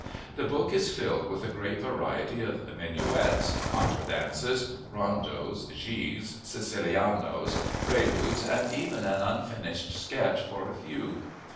The book is filled with a great variety of minuets, contradances, rondos, gigues, sicilianos, preludes, and even an unfinished sketch for a fugue.